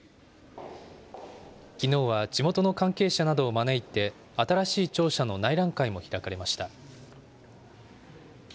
きのうは地元の関係者などを招いて、新しい庁舎の内覧会も開かれました。